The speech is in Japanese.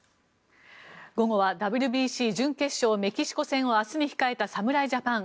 午後は、ＷＢＣ準決勝メキシコ戦を明日に控えた侍ジャパン。